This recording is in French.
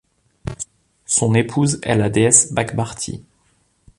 Son épouse est la déesse Bagbarti.